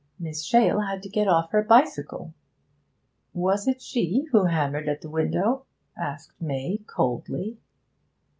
'Miss Shale had to get off her bicycle!' 'Was it she who hammered at the window?' asked May coldly.